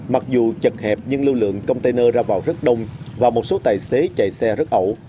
mặc dù chật hẹp nhưng lưu lượng container ra vào rất đông và một số tài xế chạy xe rất ẩu